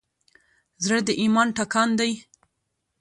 زړه د ایمان ټکان دی.